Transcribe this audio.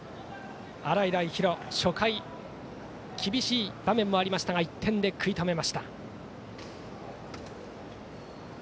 洗平比呂、初回厳しい場面もありましたが１点で食い止めました。